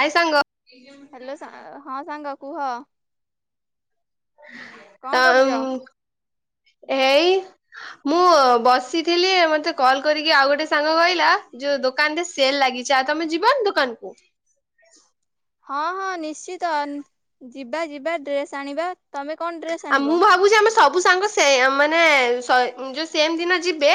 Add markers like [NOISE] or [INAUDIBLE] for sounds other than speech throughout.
ହାଏ ସାଙ୍ଗ। ହାଲୋ ହଁ ସାଙ୍ଗ। କୁହ। କଣ କରୁଛ ତାମ ଏଇ ମୁଁ ବସିଥିଲି ମତେ କଲ କରିକି ଆଉ ଗୋଟେ ସାଙ୍ଗ କହିଲା ଯୋଉ ଦୋକାନରେ ସେଲ ଲାଗିଛି ଆଉ ତମେ ଯିବନି ଦୋକାନ କୁ। ହଁ ହଁ ନିଶ୍ଚିତ ଯିବା ଯିବା ଡ୍ରେସ ଆଣିବା। ତମେ କଣ ଡ୍ରେସ୍ ଆଉ ମୁଁ ଆଣିବ ଭାବୁଛି ଆମେ ସବୁ ସାଙ୍ଗ ସେଇ ମାନେ ସ ଏ ଯୋଉ ସେମ ଦିନ ଯିବେ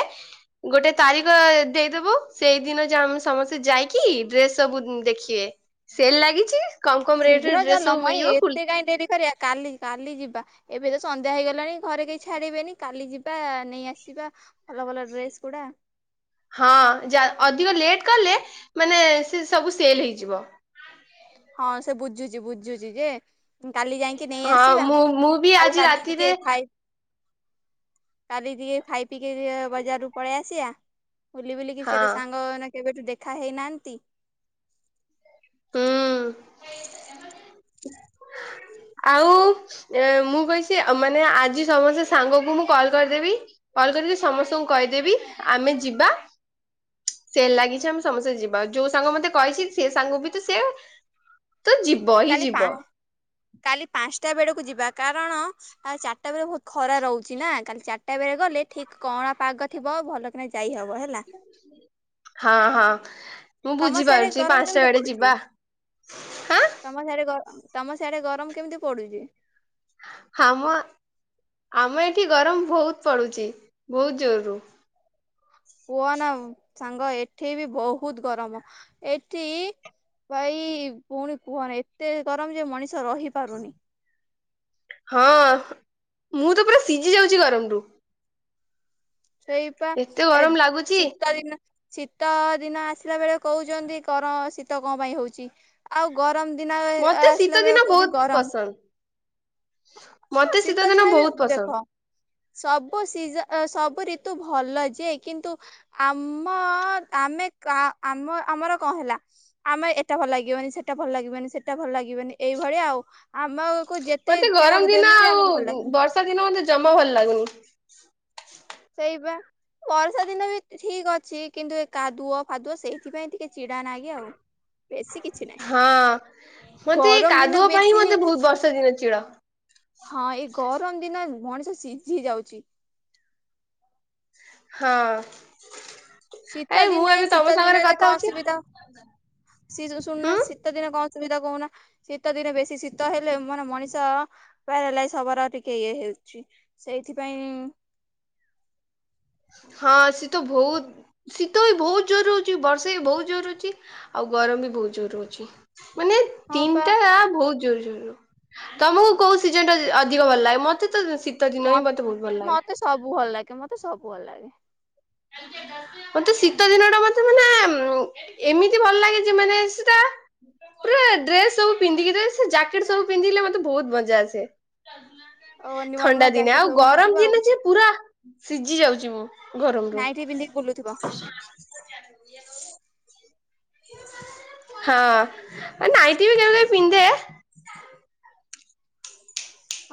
ଗୋଟେ ତାରିଖ ଦେଇଦବୁ ସେଇ ଦିନ ଯାହା ଆମେ ସମସ୍ତେ ଯାଇକି ଡ୍ରେସ୍ ସବୁ ଦେଖିବେ ସେଲ ଲାଗିଛି। କମ କମ ରେଟ୍ ରେ ଶୀଘ୍ର ଡ୍ରେସ୍ ଚାଲ ସବୁ ମଇ ମିଳିବ ଫୁଲ୍ ଏତେ କାହିଁ ଡେରି କରିବା କାଲି କାଲି ଯିବା। ଏବେ ତ ସନ୍ଧ୍ୟା ହେଇଗଲାଣି ଘରେ କେହି ଛାଡିବେନି କାଲି ଯିବା ନେଇ ଆସିବା। ଭଲ ଭଲ ଡ୍ରେସ ଗୁଡା ହଁ ଯା ଅଧିକ ଲେଟ୍ କଲେ ମାନେ ସେ ସବୁ ସେଲ ହେଇଯିବ। ହଁ ସେ ବୁଝୁଛି ବୁଝୁଛି ଯେ କାଲି ଯାଇଁକି ନେଇ ହଁ ଆସିବା ମୁଁ ମୁଁ ବି ଆଉ ଆଜି କାଲି ରାତିରେ ଟିକେ ଖାଇ କାଲି ଟିକେ ଖାଇ ପିଇକି ବଜାରରୁ ପଳେଇ ଆସିବା। ବୁଲି ବୁଲିକି ସେଠି ହଁ ସାଙ୍ଗ ମାନେ କେବେଠୁ ଦେଖା ହେଇନାହାନ୍ତି। ହୁଁ। ଆଉ ଏଁ ମୁଁ କହିଛି ଆ ମାନେ ଆଜି ସମସ୍ତେ ସାଙ୍ଗକୁ ମୁଁ କଲ କରିଦେବି କଲ କରିକି ସମସ୍ତଙ୍କୁ କହିଦେବି ଆମେ ଯିବା ସେଲ ଲାଗିଛି ଆମେ ସମସ୍ତେ ଯିବା ଯୋଉ ସାଙ୍ଗ ମତେ କହିଛି ସେ ସାଙ୍ଗ ବି ତ ସେ ତ ଯିବ ହିଁ କାଲି ପା ଯିବ। କାଲି ପାଞ୍ଚଟା ବେଳକୁ ଯିବା କାରଣ ଆଉ ଚାରିଟା ବେଳେ ବହୁତ ଖରା ରହୁଛି ନା କାଲି ଚାରିଟା ବେଳେ ଗଲେ ଠିକ କଅଁଳା ପାଗ ଥିବ ଭଲ କିନା ଯାଇହ ହଁ ହଁ। ମୁଁ ତମ ସିଆଡେ ବୁଝିପାରୁଛି ଗରମ ପାଞ୍ଚଟା କେମିତି ବେଳେ ପଡୁଛି? ଯିବା ହାଁ। ତମ ସିଆଡେ ତମ ସିଆଡେ ଗରମ କେମିତି ପଡୁଛି? ଆମ ଆମ ଏଠି ଗରମ ବହୁତ ପଡୁଛି ବହୁତ ଜୋରରୁୁ। କୁହ ନା ସାଙ୍ଗ ଏଠି ବି ବହୁତ ଗରମ ଏଠି ଭାଇ ପୁଣି କୁହନ ଏତେ ଗରମ ଯେ ମଣିଷ ତ ରହି ପାରୁନି। ହଁ ମୁଁ ତ ପୁରା ସିଝି ଯାଉଛି ଗରମରୁୁ ସେଇ ବା ଏ ଗରମ ଲାଗୁଛି ଶୀତ ଦିନ ଶୀତ ଦିନ ଆସ ଥିଲା ବେଳେ କହୁଛନ୍ତି କର ଶୀତ କଣ ପାଇଁ ହଉଛି ଆଉ ଗରମ ଦିନ ମତେ ଆସିଲା ବେଳେ ଶୀତଦିନ କହୁଛି ବହୁତ ଗରମ ପସନ୍ଦ। ହ ହଁ ମତେ ଶୀତ ଦିନ ଶୀତଦିନ ବି ବହୁତ ପସନ୍ଦ। ଦେଖ ସବୁ ସି ସବୁ ଋତୁ ଭଲ ଯେ କିନ୍ତୁ ଆମ ଆମେ ଆମ ଆମର କଣ ହେଲା ଆମେ ଏଟା ଭଲ ଲାଗିବନି ସେଟା ଭଲ ଲାଗିବନି ସେଟା ଭଲ ଲାଗିବନି ଏଇଭଳିଆ ଆଉ ଆମ କୁ ଯେତେ ମତେ ଯାହା ଗରମ ଦିନ ବୁଝେଇ ବି ଆମକୁ ଭଲ ଆଉ ଲାଗନି। ବର୍ଷା ଦିନ ମତେ ଜମା ଭଲ ଲାଗୁନି। ସେଇପା ବର୍ଷା ଦିନ ବି ଠିକ ଅଛି କିନ୍ତୁ ଏ କାଦୁଅ ଫାଦୁଅ ସେଇଥିପାଇଁ ଟିକେ ଚିଡା ଲାଗେ ଆଉ ବେଶୀ କିଛି ନହିଁ ହଁ ମତେ ଗରମ ଦିନ କାଦୁଅ ପାଇଁ ବେଶୀ ମତେ ବହୁତ ବର୍ଷା ଦିନ ଚିଡ। ହଁ ଏଇ ଗରମ ଦିନ ମଣି ସିଝି ଯାଉଛି। ହଁ। ଶୀତ ଏ ମୁଁ ଦିନେ ଏବେ ତମ ଶୀତ ସାଙ୍ଗରେ ଦିନରେ କଥା କଣ ହଉଛି ସୁବିଧା ହୁଁ ଶୁଣୁନା ଶୀତ ଦିନ କଣ? ଅସୁବିଧା କହୁନ ଶୀତ ଦିନେ ବେଶୀ ଶୀତ ହେ ଲେ ମାନେ ମଣିଷ ପ୍ୟାରଲାଇ ହବାର ଆଉ ଟିକେ ଇଏ ହେଉଛି। ସେଇଥିପାଇଁ ହଁ ଶୀତ ବହୁତ ଶୀତ ବି ବହୁତ ଜୋର ହଉଛି। ବର୍ଷା ବି ବହୁତ ଜୋର ହଉଛି। ଆଉ ଗରମ ବି ବହୁତ ଜୋର ହଉଛି। ମାନେ ହଁ ପା ତିନିଟା ବହୁତ ଜରୁରୀ। ତମକୁ କୋଉ ସିଜନ ଟା ଅଧିକ ଭଲ ଲାଗେ ମତେ ତ ଶୀତ ଦିନ ମ ହିଁ ମତେ ବହୁତ ଭଲ ଲାଗେ। ମତେ ସବୁ ଭଲ ଲାଗେ ମତେ ସବୁ ହୁଲେ [INAUDIBLE] ମତେ ଶୀତ ଦିନ ଟା ମତେ ମାନେ ଏମିତି ଭଲ ଲାଗେ ଯେ ମାନ ସେଟା ପୁରା ଡ୍ରେସ ସବୁ ପିନ୍ଧିକି ଜକେଟ ସବୁ ପିନ୍ଧେ ମତେ ବହୁତ ମଜା ଆସେ। ଓ ନୂଆ ନୂଆ ଥଣ୍ଡା ଦିନେ ଜ୍ୟାକେଟ ଆଉ ସବୁ ନଉଥିବ ଗରମ ଆଉ। ଦିନ ଯେ ପୁରା ସିଝି ଯାଉଛି ମୁଁ। ଗରମ ରହୁ ହେଠୀ ପନ୍ଧି ବୁଲୁଥିବ। ହଁ ନାଇଟି ବି କେବେ ପିନ୍ଧେ।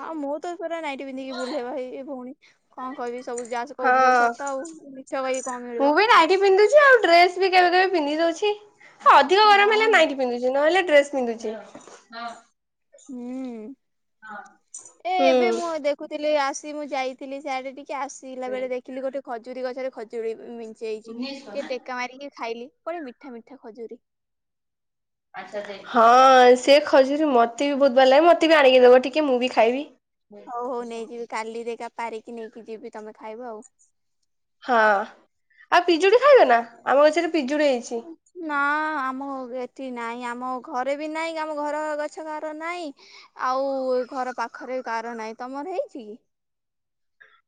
ହଁ ମୁଁ ତ ପୁରା ନାଇଠି ପିନ୍ଧିକି ଭୁଲେ ହେଇ ଭାଇ ଭଉଣୀ କଣ କହିବି ସବୁ ଯାସ ହଁ କହୁଛି ସବୁ ସତ। ଆଉ ମିଛ କହିକି କଣ ମୁଁ ମିଳିବ? ବି ନାଇଟି ପିନ୍ଧୁଛି ଆଉ ଡ୍ରେସ ବି କେବେ କେବେ ପିନ୍ଧି ଦଉଛି। ହ ଅଧିକ ଗରମ ହେଲେ ହଁ ନାଇକି ପିନ୍ଧୁଛି ନହେଲେ ଡ୍ରେସ। [UNINTELLIGIBLE] ହୁଁ। ଏ ହୁଁ। ଏବେ ମୁଁ ଦେଖୁଥିଲି ଆସ ଦି ମୁଁ ଯାଇଥିଲି ଶିଆଡେ ଟିକେ କି ଆସିଲା ବେଳେ ଦେଖିଲି ଗୋଟେ ଖଜୁରୀ ଗଛରେ ଖଜୁର ପଚିଯାଇଛି ଟିକେ ଟେକା ମାରିକି ଖାଇଲି। ପରେ ମିଠା ମିଠା ଖଜୁରୀ। ହଁ ସେ ଖୋଜଛି ମତେ ବି ବହୁତ ଭଲ ଲାଗେ ମତେ ବି ଆଣିକି ଦେବ ଟିକେ ମୁଁ ବି ଖାଇବି। ହଉ ହଉ ନେଇଯିବି କାଲି ପାରିକି ନେଇକି ଯିବି ତମେ ଖାଇବ ଆଉ। ହଁ ଆଉ ପିଜୁଳୀ ଖାଇବେ ନା? ଆମ ଗଛ ରେ ନା ଆମ ଠି ନାଇଁ ଆମ ଘରେ ବି ନାଇଁ ଆମ ଘର ଗଛ କାହାର ନାହିଁ ଆଉ ଘର ପାଖରେ ବି କାହାର ନାଇଁ। ତମର ହେଇଛି କି?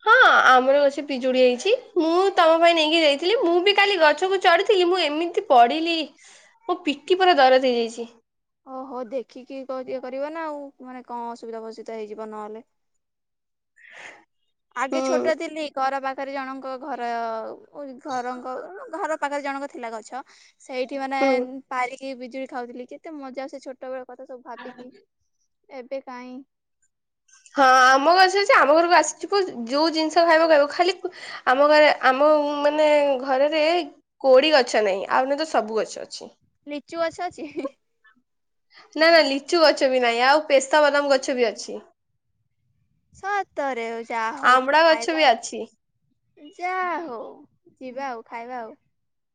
ହଁ ଆମର ଅଛି ପିଜୁଳି ହେଇଛି ମୁଁ ତମ ପାଇଁ ନେଇକି ଯାଇଥିଲି ମୁଁ ବି କାଲି ଗଛକୁ ପଢ଼ିଥିଲି ମୁଁ ଏମିତି ପଡ଼ିଲି ମୋ ପିଟିି ପୁରା ଦରଜ ହେଇଯାଇଚି। ଓହୋ ଦେଖିକି କ ଇଏ କରିବା ନାଁ ଆଉ ମାନେ କଁ ଅସୁବିଧା ଫସୁବିଧା ହେଇଯିବ ନହେଲେ। ହଁ ଆଗେ ଛୋଟ ଥିଲି ଘର ପା ତାରେ ଜଣଙ୍କ ଘର ଆଉ ଓ ଘରଙ୍କ ଘର ପାଖରେ ଜଣଙ୍କ ଥିଲା ଗଛ। ସେଇଠି ମାନେ ହୁଁ ପାରିକି ବିଜୁ ଖାଉଥିଲି କେତେ ମଜା ସେ ଛୋଟବେଳ କଥା ସବୁ ଭାବିକିି ଏବେ କାଇଁ? ହଁ ଆମ ଗଛ ଅଛି ଆମ ଘରୁକୁ ଆସିଛି ପୁ ଯୋଉ ଜିନିଷ ଖାଇବୁ ଖାଇବୁ ଖାଲି ଆମ ଘରେ ଆମ ମାନେ ଘରରେ କୋଳି ଗଛ ନାହିଁ ଆଉ ନ ତ ସବୁ ଗଛ ଅଛି। ଲିଚୁ ଗଛ ଅଛି? ନାଁ ନାଁ ଲିଚୁ ଗଛ ବି ନାହିଁ ଆଉ ପେସ୍ତା ବାଦାମ ଗଛ ବି ଅଛି। ସତରେ ଆଉ ଯା ହଉ ଆମ୍ବଡା ଗଛ ଖାଇବା ବି ଅଛି ଆଉ ଯା ହଉ ଯିବା ଆଉ ଖାଇବା ଆଉ।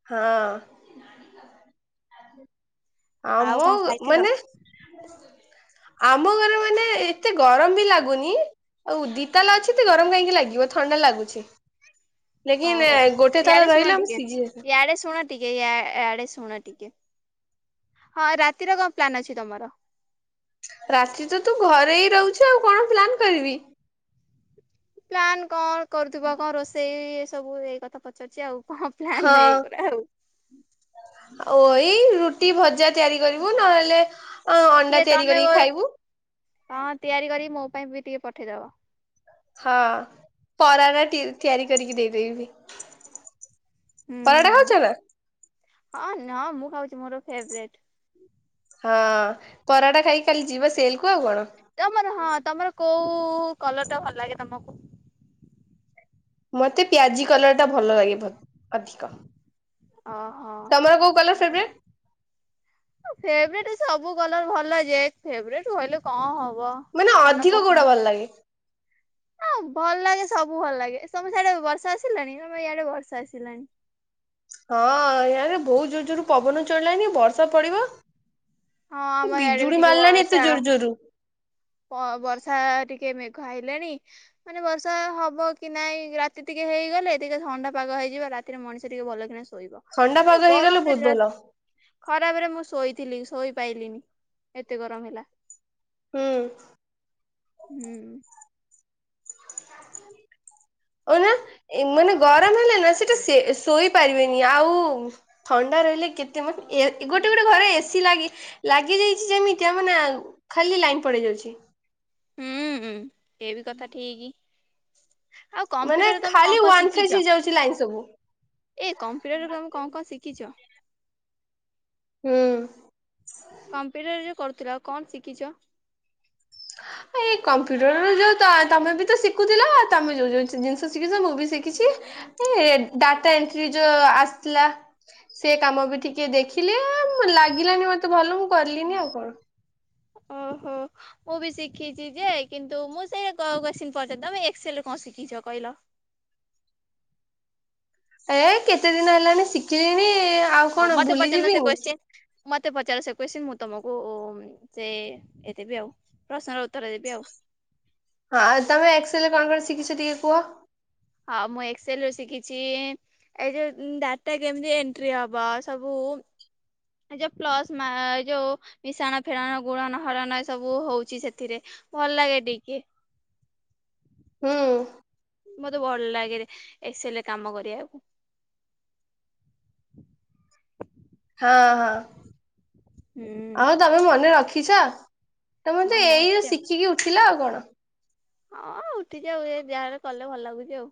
ହଁ। ଆ ଆଉ ମୁଁ କଣ ଖାଇଥିଲ ମାନେ ଆମ ଘରେ ମାନେ ଏତେ ଗରମ ବି ଲାଗୁନି ଆଉ ଦିତାଲା ଅଛି ତେ ଗରମ କାଇଁକି ଲାଗିବ ଥଣ୍ଡା ଲାଗୁଛି। ଲେକିନ୍ ହଉ ହଉ ଗୋଟେ ତାଲା ଇଆଡ଼େ ଶୁଣ ରହିଲେ ଆମେ ଟିକେ ସିଝି ଯାଇଥାଉ ଇଆଡ଼େ ଶୁଣ ଟିକେ ୟା ୟାଡ଼େ ଶୁଣ ଟିକେ। ହଁ ରାତିର କଁ ପ୍ଲନ୍ ଅଛି ତମର? ରାତି ତ ତୁ ଘରେ ଇ ରହୁଛୁ ଆଉ କଣ ପ୍ଲାନ୍ କରିବି? ପ୍ଲନ୍ କଣ୍ କରୁଥୁବା କଁ ରୋଷେଇ ସବୁ ଏଇ କଥା ପଚାରୁଚି ଆଉ। କଣ ପ୍ଲାନ୍ ହଁ ଏଇଗୁରା ଆଉ। ଆଉ ଏଇ ରୁଟି ଭଜା ତିଆରି କରିବୁ ନହେଲେ ଅଣ୍ଡା କିଏ ତିଆରି ତମେ କରିକି ଗୋର ଖାଇବୁ ହଁ ତିଆରି କରି ମୋ ପାଇଁ ବି ଟିକେ ପଠେଇଦବ। ହଁ ପରାରେ ତି ତିଆରି କରିକି ଦେଇଦେବି। ପରଟା ହୁଁ। ଖାଉଚ ନା? ହଁ ନାଁ ମୁଁ ଖାଉଚି ମୋର ଫେବ୍ରେଟ। ହଁ ପରଟା ଖାଇକି କାଲି ଯିବ ସେଲକୁୁ ଆଉ କଣ। ତମର ହଁ ତମର କୋଉ କୋଉ କଲର୍ ଟା ଭଲ ଲାଗେ ତମକୁ? ମୋତେ ପିଆଜି କଲର୍ ଟା ଭଲ ଲାଗେ ଭ ଅଧିକ। ଓହୋ ତମର କୋଉ କଲର୍ ଫେବ୍ରେ ଫେଭରେଟ୍ ସବୁ କଲର ଭଲ ଯେ ଫେଭରେଟ୍ କହିଲେ କଣ ହବ? ମୁଁ କହିଲି ମନ ଅଧିକ କୋଉଟା ପସନ୍ଦ ଭଲ ଲାଗେ? ହଁ ଭଲ ଲାଗେ ସବୁ ଭଲ ଲାଗେ ତମର ସିଆଡେ ବର୍ଷା ଆସିଲାଣି ଆମର ଇଆଡେ ବର୍ଷା ଆସିଲାଣି। ହଁ ୟାରେ ବହୁତ ଜୋର ଜୋର ପବନ ଚଳିଲାଣିି ବର୍ଷା ପଡିବ। ହଁ ଆମ ଇଆଡେ ବି ବିଜୁଳି ଟିକେ ମାରିଲାଣି ଏତେ ବର୍ଷା ଜୋର ଜୋରରୁ ପ ବର୍ଷା ଟିକେ ଟିକେ ମେଘ ଆଇଲାଣି ମାନେ ବର୍ଷା ହବ କି ନାଇଁ ରାତି ଟିକେ ହେଇଗଲେ ଟିକେ ଥଣ୍ଡା ପାଗ ହେଇଯିବ ରାତିରେ ମଣିଷ ଟିକେ ଭଲ କି ନା ସୋ ଥଣ୍ଡା ପାଗ ଶୋଇବ ହେଇଗଲେ ବହୁତ ଗରମରେ ଭଲ ଖରାପରେ ମୁଁ ଶୋଇ ଥିଲି ସୋଇ ପାଇଲିନି ଏତେ ଗରମ ହେଲା ହୁଁ ହୁଁ ଓ ନା ଏମାନେ ଗରମ ହେଲେ ନା ସେଟା ଶୋଇପାରିବେନି ଆଉ ଥଣ୍ଡା ରହିଲେ କେତେ ମ ଗୋଟେ ଗୋଟେ ଘରେ ଏସି ଲାଗି ଲାଗି ଯାଇଛି ଯେମିତିଆ ମାନେ ଖାଲି ଲାଇନ ପଡି ଯାଉଛି। ହୁଁ ଏବି କଥା ଠିକି। ଆଉ ମାନେ କମ୍ପୁଟରରେ ତମେ ଖାଲି କଣ କଣ ୱାନ ଫେଜ ଶିଖିଛ ହେଇଯାଉଛି ଲାଇନ ସବୁ ଏ କମ୍ପୁଟରରେ ତମେ କଣ କଣ ଶିଖିଛ? ହୁଁ କମ୍ପ୍ୟୁଟରରେ କରୁ ତ୍ର କଣ ଶିଖିଛ? ଏଇ କମ୍ପ୍ୟୁଟର ର ଯୋଉ ତମେ ବି ତ ଶିଖୁଥିଲ ତମେ ଯୋଉ ଯୋଉ ଜିନିଷ ଶିଖିଛ ମୁଁ ବି ଶିଖିଛି ଏ ଡାଟା ଏଣ୍ଟ୍ରି ଯୋଉ ଆସିଥିଲା ସେ କାମ ବି ଟିକେ ଦେଖିଲି ଲାଗିଲାନି ମତେ ଭଲ ମୁଁ କରିଲିନି ଆଉ କଣ? ଓହୋ ମୁଁ ବି ଶିଖିଛି ଯେ କିନ୍ତୁ ମୁଁ ସେଇ କ୍ୱେସ୍ଚିନ୍ ପଚାରୁଛି ତମେ ଏକ୍ସେଲ୍ କଣ ଶିଖିଛ କହିଲ? ଏ କେତେ ଦିନ ହେଲାଣି ଶିଖିଲିଣି। ଆଉ ହଉ କଣ ମତେ ଭୁଲି ପଚାରୁନ ସେ ଯିବିନି କୋଶ୍ଚିନ୍ ମତେ ପଚାର ସେ କ୍ୱେସ୍ଚିନ୍ ମୁଁ ତମକୁ ସେ ଏ ଦେବି ଆଉ ପ୍ରଶ୍ନର ଉତ୍ତର ଦେବି ଆଉ। ହଁ ଆଉ ତମେ ଏକ୍ସେଲ୍ କଣ କଣ ଶିଖିଛ ଟିକେ କୁହ ହଁ ମୁଁ ଏକ୍ସେଲ ରୁ ଶିଖିଛି ଏ ଯୋଉ ଡାଟା କେମିତି ଏଣ୍ଟ୍ରି ହବ ସବୁ ଏ ଯୋଉ ପ୍ଲସ୍ ମା ଏ ଯୋଉ ମିଶାଣ ଫେଣାଣ ଗୁଣଣ ହରଣ ସବୁ ହଉଛି ସେଥିରେ ଭଲ ଲାଗେ ଟିକେ। ହୁଁ ମତେ ଭଲ ଲାଗେ ଏକ୍ସେଲ୍ ରେ କାମ କରିବାକୁ। ହଁ ହଁ ହୁଁ ଆଉ ତମେ ମନେ ରଖି ପିସା ତମେ ତ ମନେ ଏଇୟା ଅଛି ଶିଖିକି ଉଠିଲ ଆଉ କଣ? ହଁ ଉଠିଛି ଆଉ ଏ ଯାହାରେ କଲେ ଭଲ ଲାଗୁଛି ଆଉ।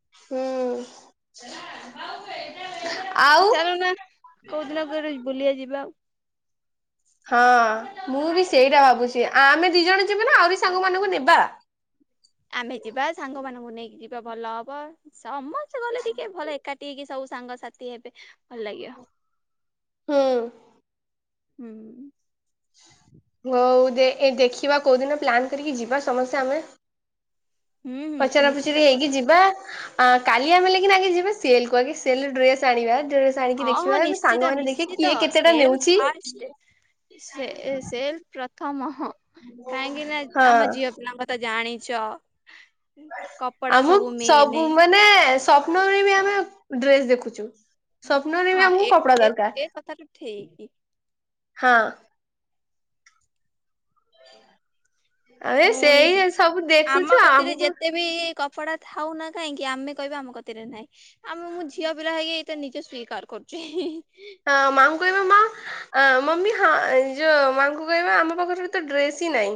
ହୁଁ ଆଉ ଚାଲୁନ କୋଉଦିନ କୁଆଡେ ବୁଲିିବା ଯିବା ହଁ ମୁଁ ବି ସେଇଟା ଭାବୁଛି ଆମେ ଦି ଜଣ ଜିମା ନା ଆହୁରି ସାଙ୍ଗ ମାନଙ୍କୁ ନେବା ଆମେ ଯିବା ସାଙ୍ଗମାନଙ୍କୁ ନେଇକି ଭଲ ହବ ସମ ଲେ ଟିକେ ଭଲ ଏକାଠି ହେକି ସବୁ ସାଙ୍ଗସାଥି ହେବେ ଭଲ ଲାଗିବ। ହୁଁ ହୁଁ। ହଉ ଦେଖିବା ଏ କୋଉଦିନ ପ୍ଲାନ୍ କରିକି ଯିବା ସମସ୍ତେ ଆମେ। ହୁଁ ହୁଁ ପଚରା ନିଶ୍ଚିତ ପଚୁରୀ ହେଇକି କର ଯିବା। ଆ କାଲି ଆମେଲିକିନ ଆଗେ ଯିବା ସେଲ୍କୁ ଆଗେ ସେଲ୍ ରେ ଡ୍ରେସ ଆଣିବା। ଡ୍ରେସ୍ ଆଣିକି ହଁ ଦେଖି ହଁ ଖିବା ନିଶ୍ଚିତ ସାଙ୍ଗମାନେ ଦେଖିବା ନିଶ୍ଚିତ କିଏ କେତେଟା ସେଲ ନେଉଛି ଫାଷ୍ଟ ସେଲ ପ୍ରଥମ। ହଁ କାହିଁକି ନା ହଁ ଆମ ଝିଅ ପିଲା ମ ତେ ଜାଣିଚ। ଚ। ଆମ ସବୁ ମାନେ ସ୍ୱପ୍ନରେ ବି ଆମେ ଡ୍ରେସ୍ ଦେଖୁଚୁ। ହଁ ଏ ଏ ଏ କଥାଟା ଠିକ୍। ହଁ। ଆଉ ଏ ପୁଣି ସେଇ ସବୁ ଦେଖୁଚୁ ଆମକୁ ପଡା ଥାଉ ନା କାହିଁକି ଆମେ କହିବା ଆମ କତିରେ ନାହିଁ। ଆମେ ମୁଁ ଝିଅ ପିଲା ହେଇକି ତ ନିଜେ ସ୍ୱୀକାର କରୁଚି। ହଁ ମାଙ୍କୁ କହିବା ମା ଆ ମମି ହଁ ଯଉ ମାଆଙ୍କୁ କହିବା ଆମ ପାଖରେ ତ ଡ୍ରେସ୍ ହିଁ ନାହିଁ।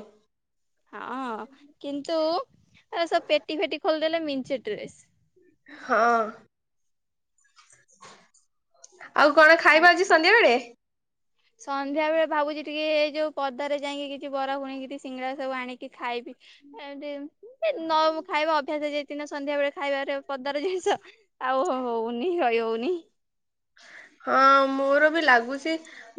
ହଁ କିନ୍ତୁ ଆଉ ସବ ପେଟି ଫେଟି ଖୋଲିଦେଲେ ମିଞ୍ଚେ ଡ୍ରେସ। ହଁ। ଆଉ କଣ ଖାଇବା ଆଜି ସନ୍ଧ୍ୟା ବେଳେ? ସନ୍ଧ୍ୟା ବେଳେ ଭାବୁଚି ଟିକେ ଏଇ ଯଉ ପଦାରେ ଯାଇକି କିଛି ବର ଖୁଣିକି ସିଙ୍ଗଡା ସବୁ ଆଣିକି ଖାଇବି। ଏମତି ନ ଖାଇବା ଅଭ୍ୟାସ ଯେ ଦିନ ସନ୍ଧ୍ୟାବେଳେ ଖାଇବାରେ ପଦାର ଜିନିଷ ଆଉ ହଉନି ରହି ହଉନି। ହଁ ମୋର ବି ଲାଗୁଚି,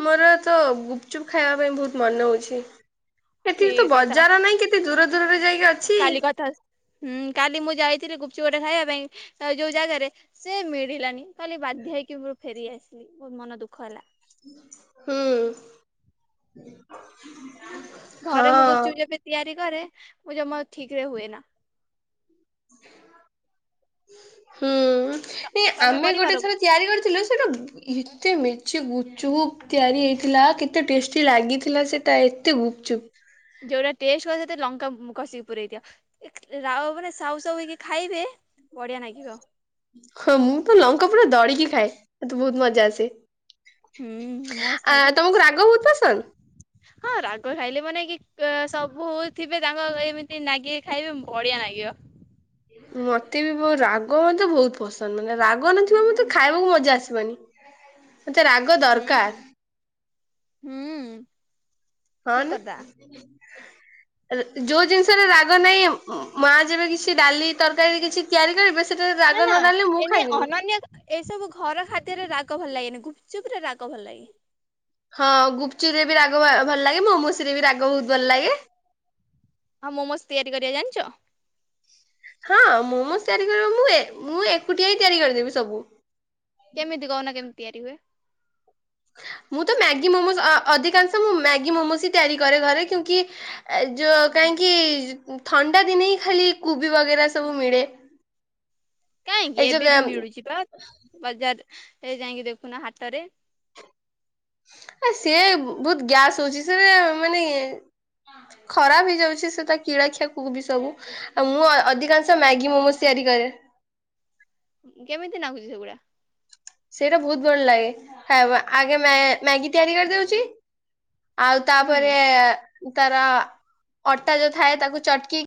ମୋର ତ ଗୁପଚୁପ ଖାଇବା ପାଇଁ ବହୁତ ମନେ ହଉଚି। ସେଠି ତ ଠିକ କଥା ବଜାର ନାଇଁ କେତେ ଦୂର ଦୂରରେ ଯାଇ କାଲି କଥା ହୁଁ କାଲି ମୁଁ ଯାଇଥିଲି ଗୁପ୍ ଚୁପ ଟା ଖାଇବା ପାଇଁ ଯେଉଁ ଜାଗାରେ ସେ ମିଳିଲାନି। କାଲି ବାଧ୍ୟ ହେଇକି ମୁଁ ଫେରି ଆସିଲି। ବହୁତ ମନ ଦୁଃଖ ଖୋଲା ହୁଁ। ଘରେ ମୁଁ ହଁ ଗୁପଚୁ ଯେବେ ତିଆରି କରେ ମୁଁ ଜ ଠିକରେ ହୁଏ ନା ତ- ହୁଁ। ତମେ ଆମେ ଗୋଟେ କରିପାର ଥର ତିଆରି କରିଥିଲୁ ସେଟା ଏତେ ମେଞ୍ଚେ ଗୁପଚୁପ୍ ତିଆରି ହେଇଥିଲା କେତେ ଟେଷ୍ଟି ଲାଗିଥିଲା ସେଟା ଏତେ ଗୁପଚୁପ୍। ଯୋଉଟା ଟେଷ୍ଟ କ ସେତେ ଲଙ୍କା କଷିକି ପୁରଇ ଦିଅ ରାଉ ମାନେ ସାଉ ସାଉ ହେଇକି ଖାଇବେ ବଢିଆ ନାଗିବ। ହଁ ମୁଁ ତ ଲଙ୍କା ପୁରା ଦଳିକି ଖାଏ ଏତେ ବହୁତ ମଜା ଆସେ। ହୁଁ ମସ୍ତ ଆ ଲାଗିବ। ତମକୁ ରାଗ ବହୁତ ପସନ୍ଦ? ହଁ ରାଗ ଖାଇଲେ ମାନେ କି ସବୁ ଥିବେ ତାଙ୍କ ଏମିତି ନାଗିକ ଖାଇବେ ବଢିଆ ନାଗିବ। ମତେ ବି ମୋ ରାଗ ମତେ ବହୁତ ପସନ୍ଦ ମାନେ ରାଗ ନଥିବା ମତେ ଖାଇବାକୁ ମଜା ଆସିବାନି। ମତେ ରାଗ ଦରକାର। ହୁଁ ହୁଁ ହଁ ଠିକ ନା। କଥା ଯୋଉ ଜିନିଷରେ ରାଗ ନାହିଁ ମା ଯେବେ କିଛି ଡାଲି ତରକାରୀ କିଛି ତିଆରି କରିବେ ସେ ନା ନା ଏନେ ଅନନ୍ୟ ଏସବୁ ଘର ଖାଦ୍ୟରେ ରାଗ ଭଲ ଲାଗେନି ଚୁପ ରେ ରାଗ ଭଲ ଲାଗେ। ହଁ ଗୁପଚୁର ରେ ବି ରାଗ ଭଲ ଲାଗେ ମୋମୋସ ରେ ବି ରାଗ ବହୁତ ଭଲ ଲାଗେ। ହଁ ମୋମୋସ୍ ତିଆରି କରିବା ଜାଣିଚ? ହଁ ମୋମୋ ତିଆରି କର ମୁଁ ମୁଁ ଏକୁଟିଆ ହଁ ତିଆରି କରିଦେବି ସବୁ। କେମିତି କହୁନା କେମି ତିଆରି ହୁଏ। ମୁଁ ତ ମ୍ୟାଗି ମୋମୋସ୍ ଅ ଅଧିକାଂଶ ମୁଁ ମ୍ୟାଗି ମୋମୋସ୍ ତିଆରି କରେ ଘରେ କିଉଁକି ଜୋ କାହିଁକି ଥଣ୍ଡା ଦିନେ ହିଁ ଖାଲି କୁବି ବଗେରା ସବୁ ମିଳେ। କାହିଁକି ଏ ଯୋଉ ଏବେ ଗା ବି ମିଳୁଚି ପା ବଜାର ଏଇ ଯାଇକି ଦେଖୁନ ହାଟରେ। ଆ ସିଏ ବହୁତ ଗ୍ୟାସ୍ ହଉଚି ସେ ମାନେ ଖରାପ ହେଇଯାଉଚି ସେ ତା କିଳାଖିଆ କୁବି ସବୁ ଆଉ ମୁଁ ଅଧିକାଂଶ ମ୍ୟାଗି ମୋମୋ ତିଆରି କରେ। କେମିତି ନାଗୁଚି ସେଗୁଡା। ସେଇଟା ବହୁତ ଭଲ ଲାଗେ ଖାଇବା ଆଗେ ମା-ମ୍ୟାଗି ତିଆରି କରିଦଉଚି। ଆଉ ହୁଁ ତାପରେ ତାର ଅଟା ଯୋଉ ଥାଏ ତାକୁ ଚଟକି